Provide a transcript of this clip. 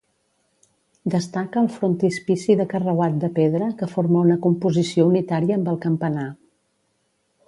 Destaca el frontispici de carreuat de pedra que forma una composició unitària amb el campanar.